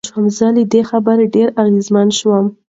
زه له دې خبرې ډېر اغېزمن شوم.